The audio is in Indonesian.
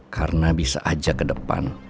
karena bisa ajak kedepan